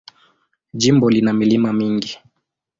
Jimbo lina milima mingi.